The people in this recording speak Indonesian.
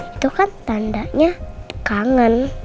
itu kan tandanya kangen